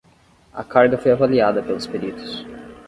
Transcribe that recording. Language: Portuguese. A carga foi avaliada pelos peritos